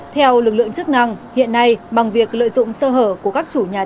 theo lực lượng chức năng hiện nay bằng việc lợi dụng sơ hở của các chủ nhà